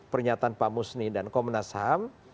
pernyataan pak musni dan komnas ham